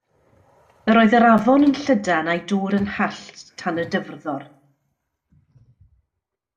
Yr oedd yr afon yn llydan a'i dŵr yn hallt tan y dyfrddor.